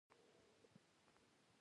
محدودیت او څارنې نظام جوړ کړي.